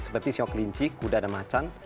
seperti siok kelinci kuda dan macan